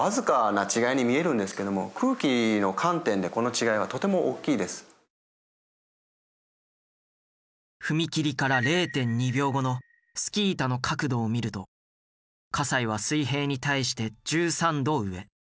それが飛び出した直後の踏切から０．２秒後のスキー板の角度を見ると西は水平に対して１３度上。